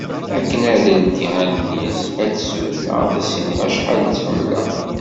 Akken ad d-teldi allen-is ad tt-ssudneɣ ad s-iniɣ acḥal i tt-ḥemmleɣ.